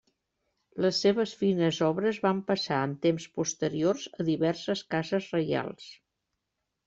Les seves fines obres van passar en temps posteriors a diverses cases reials.